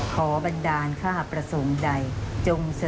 ขออธิบายเราจะต้องช่วย